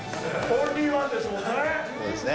オンリーワンですもんね。